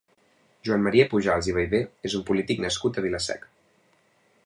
Joan Maria Pujals i Vallvé és un polític nascut a Vila-seca.